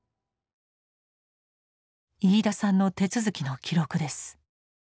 飯田さんの手続きの記録です。